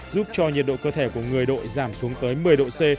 giúp cho nhiệt độ cơ thể của người đội giảm xuống tới một mươi độ c